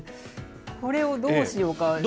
これをどうしようか。